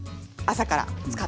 朝から。